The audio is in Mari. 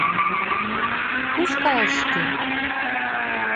Куш кайыш шке?..